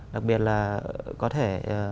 đặc biệt là có thể